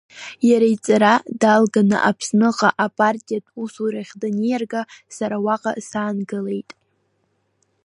Иара иҵара далганы Аԥсныҟа апартиатә усурахь даниарга, сара уаҟа саангылеит.